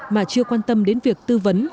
mà chưa quan tâm đến việc tư vấn